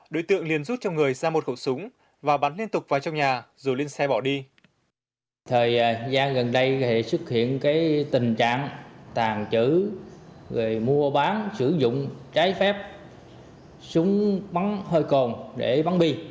đối tượng liền rút cho người ra một khẩu súng và bắn liên tục vào trong nhà rồi lên xe bỏ đi